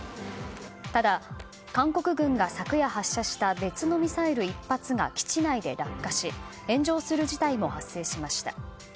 ただ、韓国軍が昨夜発射した別のミサイル１発が基地内で落下し炎上する事態も発生しました。